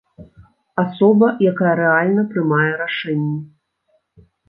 Асоба, якая рэальна прымае рашэнні.